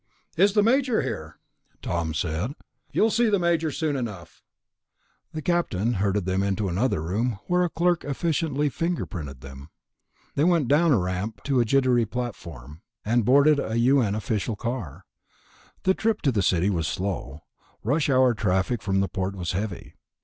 "Is the Major here?" Tom said. "You'll see the Major soon enough." The Captain herded them into another room, where a clerk efficiently fingerprinted them. Then they went down a ramp to a jitney platform, and boarded a U.N. official car. The trip into the city was slow; rush hour traffic from the port was heavy.